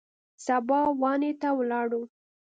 سبا واڼې ته ولاړو.